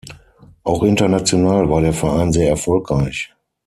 Auch international war der Verein sehr erfolgreich.